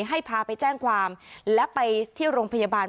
ให้พาไปแจ้งความและไปที่โรงพยาบาล